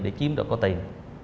để chiếm được có tiền